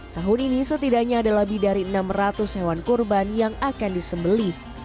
tahun ini setidaknya ada lebih dari enam ratus hewan kurban yang akan disembeli